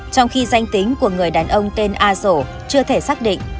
trong khi danh tính của người đàn ông tên a rổ chưa thể xác định